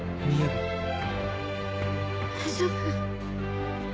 大丈夫？